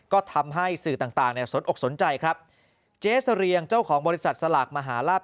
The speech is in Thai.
ก็ทำให้สื่อต่างต่างเนี่ยสนอกสนใจครับเจ๊เสรียงเจ้าของบริษัทสลากมหาลาบ